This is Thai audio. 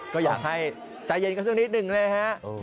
ก็อยากให้ใจเย็นกันสักนิดหนึ่งนะฮะ